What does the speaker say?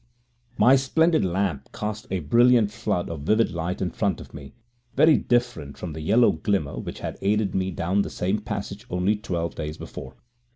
< 15 > My splendid lamp cast a brilliant flood of vivid light in front of me, very different from the yellow glimmer which had aided me down the same passage only twelve days before.